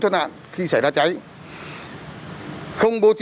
thuận hạn khi xảy ra cháy không bố trí chữa cháy